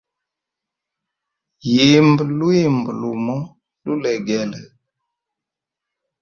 Yimba lwimbo lumo lulegele.